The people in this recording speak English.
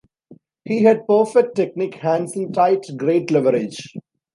He had perfect technique - hands in tight, great leverage.